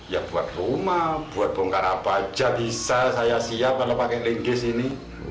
ya buat rumah buat bongkar apa aja bisa saya siap kalau pakai linggis ini